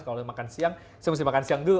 kalau makan siang saya mesti makan siang dulu